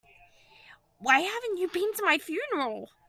Why haven't you been to my funeral?